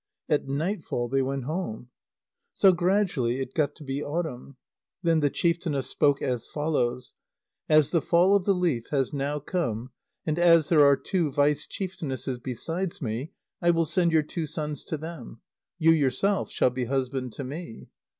At nightfall they went home. So gradually it got to be autumn. Then the chieftainess spoke as follows, "As the fall of the leaf has now come, and as there are two vice chieftainesses besides me, I will send your two sons to them. You yourself shall be husband to me."